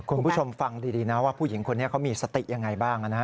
คุณผู้ชมฟังดีนะว่าผู้หญิงคนนี้เขามีสติยังไงบ้างนะฮะ